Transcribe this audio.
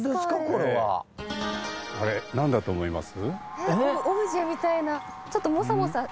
あれなんだと思います？